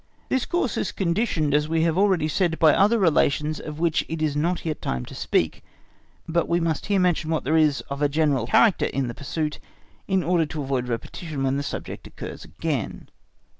This course is conditioned as we have already said, by other relations of which it is not yet time to speak. But we must here mention, what there is of a general character in the pursuit in order to avoid repetition when the subject occurs again.